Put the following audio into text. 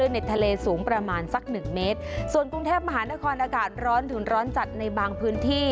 ในทะเลสูงประมาณสักหนึ่งเมตรส่วนกรุงเทพมหานครอากาศร้อนถึงร้อนจัดในบางพื้นที่